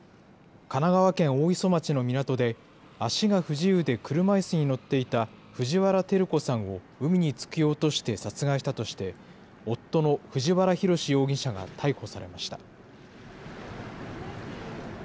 神奈川県大磯町の港で、足が不自由で車いすに乗っていた藤原照子さんを海に突き落として殺害したとして、夫の藤原宏容疑者が逮捕されました。